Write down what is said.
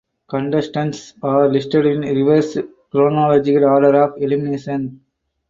Contestants are listed in reverse chronological order of elimination.